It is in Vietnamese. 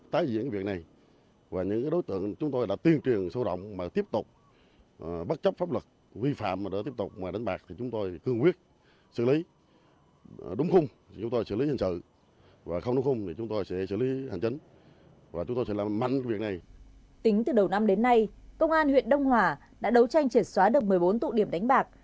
tính từ đầu năm đến nay công an huyện đông hòa đã đấu tranh triệt xóa được một mươi bốn tụ điểm đánh bạc